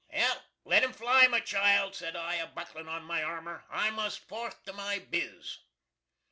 "Let him fly, my child!" sed I, a bucklin on my armer; "I must forth to my Biz."